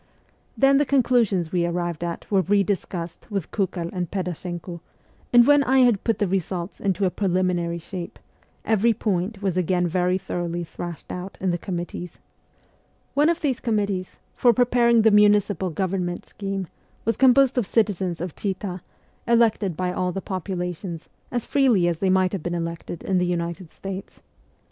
Then the conclusions we arrived at were re discussed with Kukel and Pedashenko ; and when I had put the results into a preliminary shape, every point was again very thoroughly thrashed out in the committees. One 200 of these committees, for preparing the municipal government scheme, was composed of citizens of Chita, elected by all the population, as freely as they might have been elected in the United States.